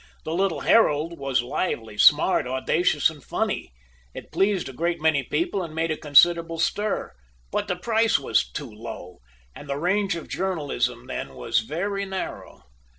The little "Herald" was lively, smart, audacious, and funny; it pleased a great many people and made a considerable stir; but the price was too low, and the range of journalism then was very narrow.